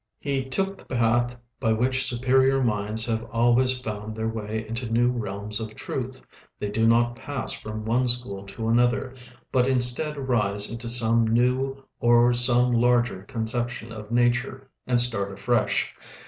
He took the path by which superior minds have always found their way into new realms of truth. They do not pass from one school to another, but instead rise into some new or some larger conception of nature and start afresh.